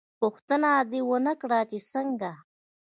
_ پوښتنه دې ونه کړه چې څنګه؟